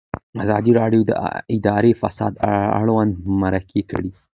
ازادي راډیو د اداري فساد اړوند مرکې کړي.